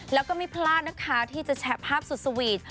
แล้วก็ไม่พลาดนะคะที่จะแชะภาพสุดสวีท